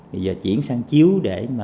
bây giờ chuyển sang chiếu để